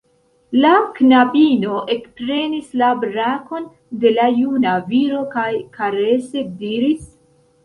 La knabino ekprenis la brakon de la juna viro kaj karese diris: